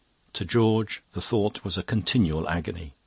To George the thought was a continual agony.